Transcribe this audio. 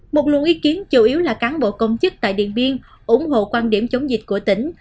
một luồng ý kiến chủ yếu là cán bộ công chức tại điện biên ủng hộ quan điểm chống dịch của tỉnh